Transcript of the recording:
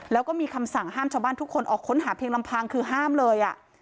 แล้วก็มีคำสั่งห้ามชาวบ้านทุกคนออกค้นหาเพียงลำพังคือห้ามเลย